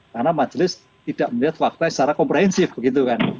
karena majelis tidak melihat fakta secara komprehensif begitu kan